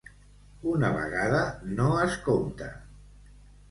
Una vegada no es compta.